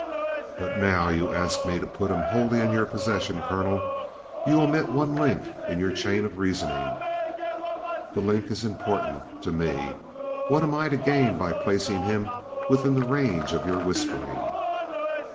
"But now you ask me to put him wholly in your possession. Colonel, you omit one link in your chain of reasoning. The link is important to me. What am I to gain by placing him within the range of your whispering?"